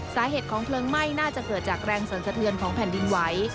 สาเหตุของเพลิงไหม้น่าจะเกิดจากแรงสรรสะเทือนของแผ่นดินไหว